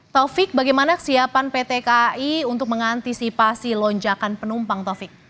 taufik bagaimana kesiapan pt kai untuk mengantisipasi lonjakan penumpang taufik